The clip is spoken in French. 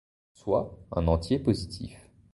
Soit un entier positif.